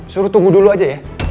suruh tunggu dulu aja ya